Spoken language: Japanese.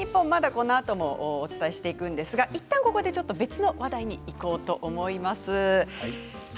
このあともお伝えしていくんですがここでいったん別の話題にいこうと思います。